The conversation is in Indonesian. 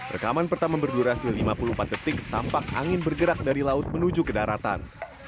rekaman pertama berdurasi lima puluh empat detik tampak angin bergerak dari laut menuju ke daratan